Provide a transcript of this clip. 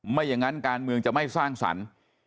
ไม่อย่างนั้นการเมืองจะไม่สร้างสรรค์